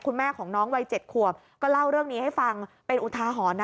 คุณแม่ของน้องวัย๗ขวบก็เล่าเรื่องนี้ให้ฟังเป็นอุทาหรณ์นะ